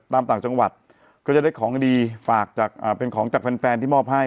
ต่างจังหวัดก็จะได้ของดีฝากจากเป็นของจากแฟนที่มอบให้